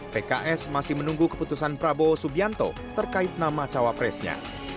pks masih menunggu keputusan prabowo subianto terkait nama cawapresnya